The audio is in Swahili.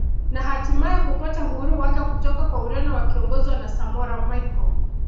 Na hatimaye kupata uhuru wake kutoka kwa Ureno wakiongozwa na Samora Michael